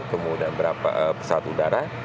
kemudian berapa pesawat udara